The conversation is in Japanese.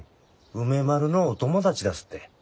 梅丸のお友達だすって。